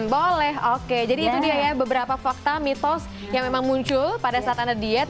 boleh oke jadi itu dia ya beberapa fakta mitos yang memang muncul pada saat anda diet